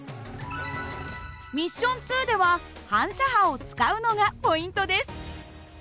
ミッション２では反射波を使うのがポイントです。